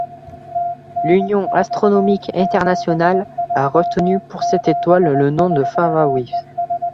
L'Union Astronomique Internationale a retenu pour cette étoile le nom de Fawaris.